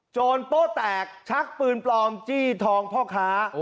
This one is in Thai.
โป้แตกชักปืนปลอมจี้ทองพ่อค้า